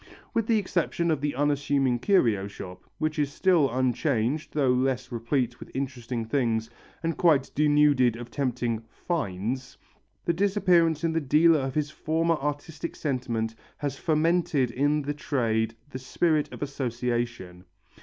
With the exception of the unassuming curio shop, which is still unchanged though less replete with interesting things and quite denuded of tempting "finds," the disappearance in the dealer of his former artistic sentiment has fomented in the trade the spirit of association.